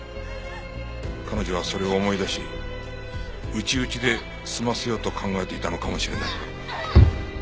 彼女はそれを思い出し内々で済ませようと考えていたのかもしれない。